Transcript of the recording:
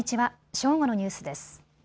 正午のニュースです。